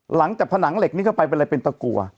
หลังจากผนังเหล็กนี้เข้าไปเป็นอะไรเป็นตะกัว